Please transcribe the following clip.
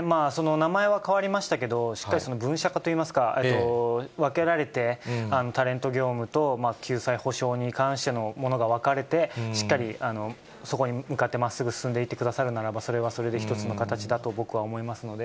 名前は変わりましたけど、しっかり分社化といいますか、分けられて、タレント業務と救済補償に関してのものが分かれて、しっかりそこに向かって、まっすぐ進んでいってくださるならば、それはそれで一つの形だと僕は思いますので。